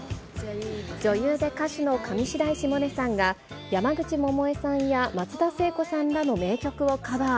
女優で歌手の上白石萌音さんが、山口百恵さんや松田聖子さんらの名曲をカバー。